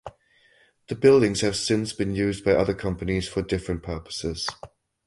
The buildings have since been used by other companies for different purposes.